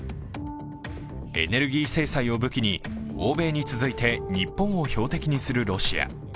エネルギー制裁を武器に欧米に続いて日本を標的にするロシア。